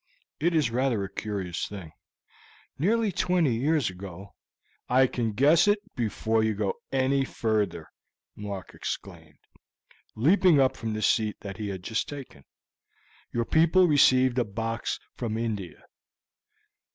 It is rather a curious thing. Nearly twenty years ago " "I can guess it before you go any further," Mark exclaimed, leaping up from the seat that he had just taken. "Your people received a box from India."